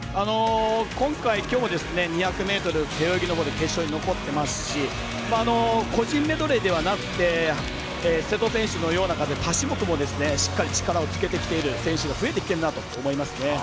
今回、きょうも２００ｍ背泳ぎのほうで決勝に残ってますし個人メドレーではなくて瀬戸選手のように多種目でもしっかり、力をつけてきている選手が増えているなと感じます。